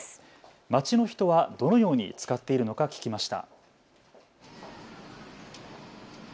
街の人はどのように使っているのか聞きました。